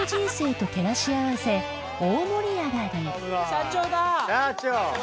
社長だ。